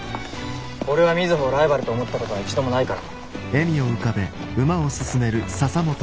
俺は瑞穂をライバルと思ったことは一度もないから。